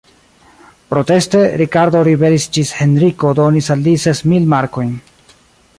Proteste, Rikardo ribelis ĝis Henriko donis al li ses mil markojn.